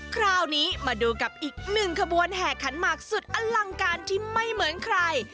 คราวนี้มาดูกับอีกหนึ่งขบวนแห่ขันหมากสุดอลังการที่ไม่เหมือนใคร